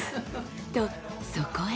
とそこへ。